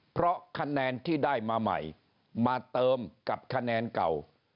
เพราะคะแนนที่ได้มาใหม่มาเติมกับคะแนนเก่า